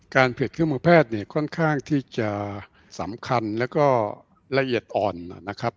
เพจเครื่องมือแพทย์เนี่ยค่อนข้างที่จะสำคัญแล้วก็ละเอียดอ่อนนะครับ